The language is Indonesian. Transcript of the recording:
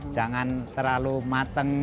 jangan terlalu mateng